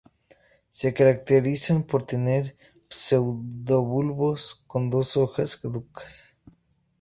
Se caracterizan por tener pseudobulbos con dos hojas caducas.